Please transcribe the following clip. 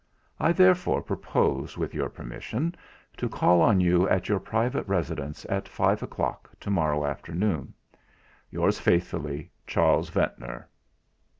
I therefore propose with your permission to call on you at your private residence at five o'clock to morrow afternoon. "Yours faithfully, "CHARLES VENTNOR.